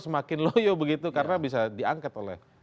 semakin loyo begitu karena bisa diangkat oleh